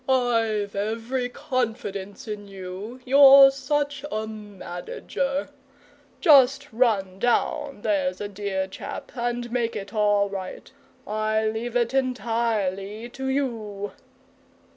I've every confidence in you, you're such a MANAGER. Just run down, there's a dear chap, and make it all right. I leave it entirely to you."